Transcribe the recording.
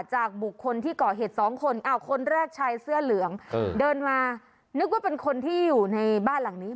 จากบุคคลที่ก่อเหตุสองคนอ้าวคนแรกชายเสื้อเหลืองเดินมานึกว่าเป็นคนที่อยู่ในบ้านหลังนี้